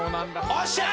よっしゃ！